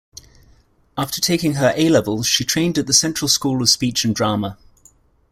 After taking her A-levels, she trained at the Central School of Speech and Drama.